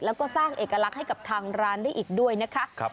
แล้วก็สร้างเอกลักษณ์ให้กับทางร้านได้อีกด้วยนะคะ